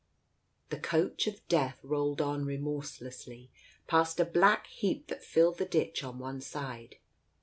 The Coach of Death rolled on remorselessly past a black heap that filled the ditch on one side.